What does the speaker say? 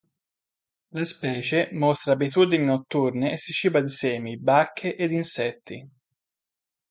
La specie mostra abitudini notturne e si ciba di semi, bacche ed insetti.